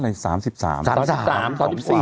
ตอนนี้อะไร๓๓๓๓๓๔